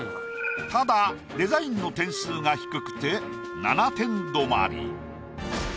ただデザインの点数が低くて７点止まり。